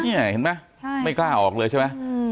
นี่เห็นมั้ยไม่กล้าออกเลยใช่มั้ย